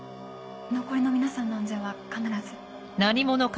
残りの皆さんの安全は必ず。